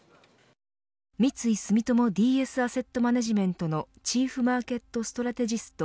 三井住友ＤＳアセットマネジメントのチーフマーケットストラテジスト